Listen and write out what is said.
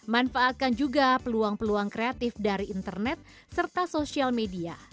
manfaatkan juga peluang peluang kreatif dari internet serta sosial media